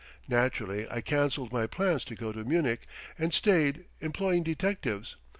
Naturally I canceled my plans to go to Munich, and stayed, employing detectives.